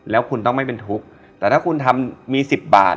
แล้วคุณต้องไม่เป็นทุกข์แต่ถ้าคุณทำมี๑๐บาท